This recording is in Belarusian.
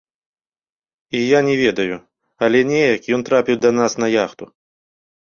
І я не ведаю, але неяк ён трапіў да нас на яхту.